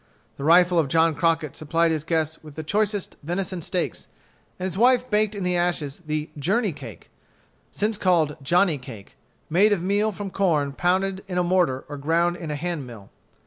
The rifle of John Crockett supplied his guests with the choicest venison steaks, and his wife baked in the ashes the "journey cake," since called johnny cake, made of meal from corn pounded in a mortar or ground in a hand mill.